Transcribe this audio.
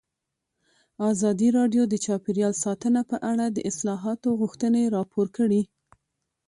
ازادي راډیو د چاپیریال ساتنه په اړه د اصلاحاتو غوښتنې راپور کړې.